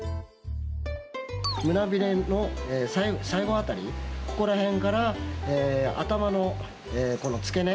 胸びれの最後辺りここら辺から頭のこの付け根。